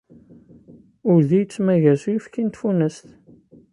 Udi yettmagga s uyefki n tfunast.